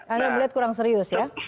anda melihat kurang serius ya